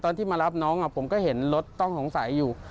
ที่มารับน้องผมก็เห็นรถต้องสงสัยอยู่